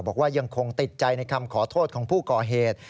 บอกว่ายังคงติดใจในคำขอโทษของผู้ก่อเหตุ